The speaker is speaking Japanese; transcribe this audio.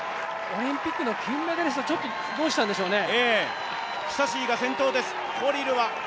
オリンピックの金メダリスト、どうしたんでしょうね。